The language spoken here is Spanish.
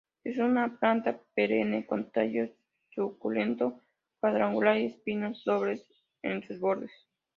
Es una planta perenne con tallo suculento cuadrangular y espinos dobles en sus bordes.